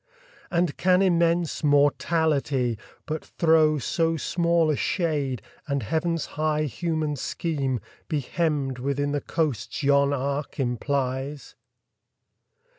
And can immense Mortality but throw So small a shade, and Heaven's high human scheme Be hemmed within the coasts yon arc implies?